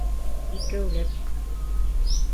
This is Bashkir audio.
Икәүләп.